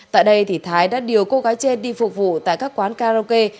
tại đây thái đã điều cô gái trên đi phục vụ tại các quán karaoke